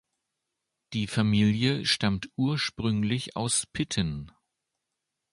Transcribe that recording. Die Familie stammt ursprünglich aus Pitten.